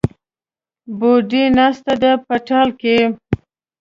بوډۍ ناسته ده په ټال کې